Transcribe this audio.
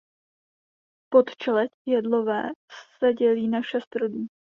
Podčeleď jedlové se dělí na šest rodů.